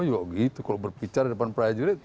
juga gitu kalau berbicara di depan prajurit